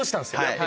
はい。